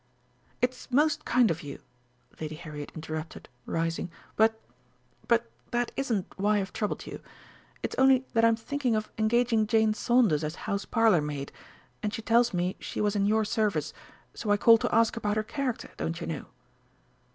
"It's most kind of you," Lady Harriet interrupted, rising, "but but that isn't why I've troubled you. It's only that I'm thinking of engaging Jane Saunders as house parlourmaid, and she tells me she was in your service, so I called to ask about her character, don't you know."